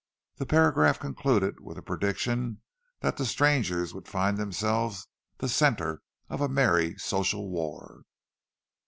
The paragraph concluded with the prediction that the strangers would find themselves the centre of a merry social war.